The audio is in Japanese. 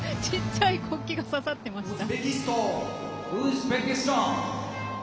ちっちゃい国旗が刺さってました。